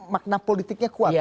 makna politiknya kuat